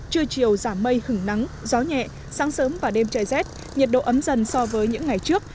trưa chiều giảm mây hứng nắng gió nhẹ sáng sớm và đêm trời rét nhiệt độ ấm dần so với những ngày trước